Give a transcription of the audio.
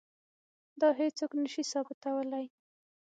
دا هیڅوک نه شي ثابتولی.